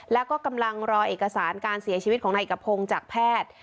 แล้วก็กำลังรอเอกสารการเสียชีวิตของนายเอกพงศ์จากแพทย์